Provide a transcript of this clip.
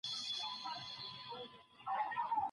ښه عملونه به د ميزان تله درڅخه کړي.